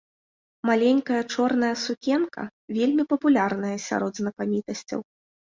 Маленькая чорная сукенка вельмі папулярная сярод знакамітасцяў.